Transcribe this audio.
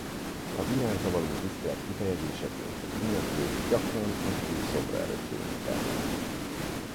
Az iránta való tisztelet kifejezéseként az ünneplők gyakran az ő szobra előtt énekelnek.